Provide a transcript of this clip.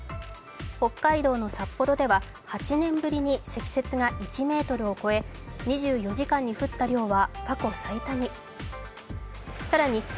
北海道の札幌では８年ぶりに積雪が１ｍを超え、２４時間に降った量は過去最多に。